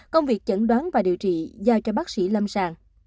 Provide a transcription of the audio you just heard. công việc chẩn đoán và điều trị giao cho bác sĩ lâm sàng